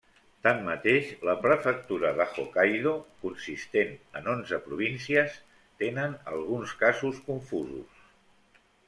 Tanmateix, la Prefectura de Hokkaido, consistent en onze províncies, tenen alguns casos confusos.